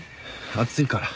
暑いから。